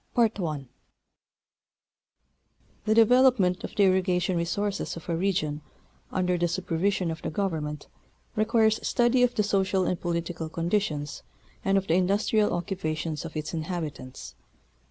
TuE development of the irrigation resources of a region under the supervision of the Government, requires study of the social and political conditions and of the industrial occupations of its inhabitants.